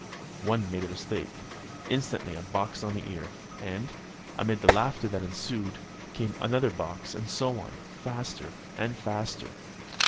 One made a mistake, instantly a box on the ear; and, amid the laughter that ensued, came another box; and so on, faster and faster.